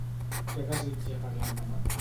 Què desitja per l'endemà?